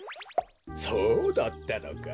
そうだったのか。